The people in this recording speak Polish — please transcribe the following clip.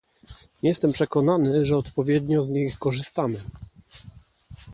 Nie jestem przekonany, że odpowiednio z niej korzystamy